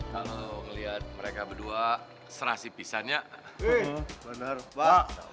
kalau ngelihat mereka berdua serasi pisahnya